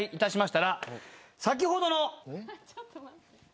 先ほどの。